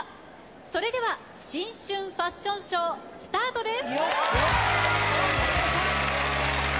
それでは新春ファッションショースタートです。